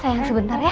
sayang sebentar ya